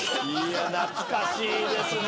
懐かしいですね！